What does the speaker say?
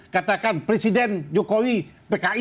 katakan presiden jokowi pki